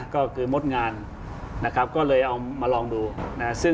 ก็คืองดงานนะครับก็เลยเอามาลองดูนะฮะ